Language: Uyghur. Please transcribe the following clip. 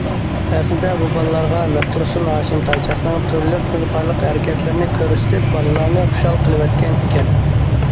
ئەسلىدە بۇ بالىلارغا مەتتۇرسۇن ھاشىم تايچاقنىڭ تۈرلۈك قىزىقارلىق ھەرىكەتلىرىنى كۆرسىتىپ بالىلارنى خۇشال قىلىۋەتكەن ئىكەن.